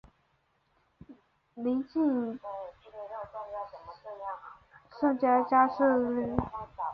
邻近的圣阿加莎教堂也遭受了一些损毁。